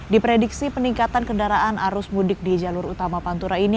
diprediksi peningkatan kendaraan arus mudik di jalur utama pantura ini